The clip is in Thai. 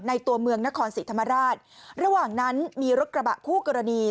ตัวเมืองนครศรีธรรมราชระหว่างนั้นมีรถกระบะคู่กรณี